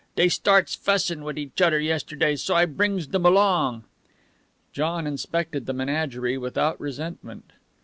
"Dey starts fuss'n' wit' each odder yesterday, so I brings dem along." John inspected the menagerie without resentment.